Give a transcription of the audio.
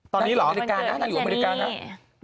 นั่งอยู่อเมริกานะนั่งอยู่อเมริกาครับตอนนี้เหรอ